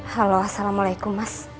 halo assalamualaikum mas